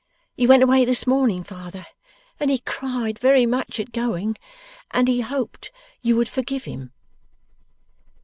He went away this morning, father, and he cried very much at going, and he hoped you would forgive him.